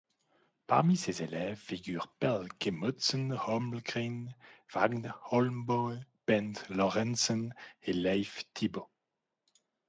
Parmi ses élèves figurent Pelle Gudmundsen-Holmgreen, Vagn Holmboe, Bent Lorentzen et Leif Thybo.